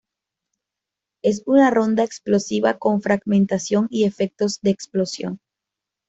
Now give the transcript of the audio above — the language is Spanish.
Es una ronda explosiva con fragmentación y efectos de explosión.